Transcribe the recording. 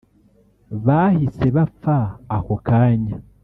bahise bapfa ako kanya